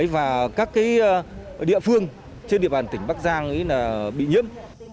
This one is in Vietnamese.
và các địa phương trên địa bàn tỉnh bắc giang bị nhiễm